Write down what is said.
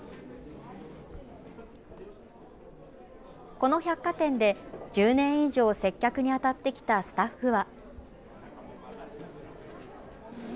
この百貨店で１０年以上、接客にあたってきたスタッフは。